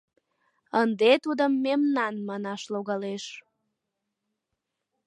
Ынде тудым «мемнан» манаш логалеш...